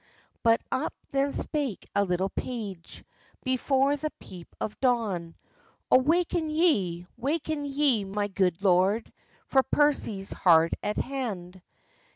But up then spake a little page, Before the peep of dawn: "O waken ye, waken ye, my good lord, For Percy's hard at hand."